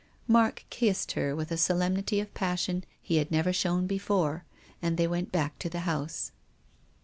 .Mark kissed her with a solemnity of passion he had never shown before, and they went back to the house.